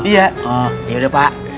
ya oh ya udah pak